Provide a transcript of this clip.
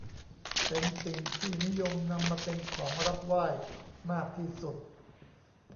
เป็นสิ่งที่นิยมนำมาเป็นของรับไหว้มากที่สุด